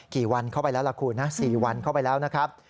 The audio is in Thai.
กี่วันเข้าไปแล้วล่ะคุณนะ๔วันเข้าไปแล้วนะครับ